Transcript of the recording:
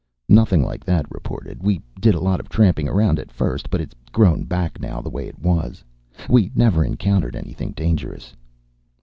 "Nothing like that reported. We did a lot of tramping around at first, but it's grown back now, the way it was. We never encountered anything dangerous."